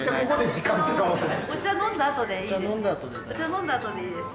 飲んだあとでいいです。